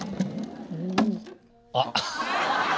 あっ。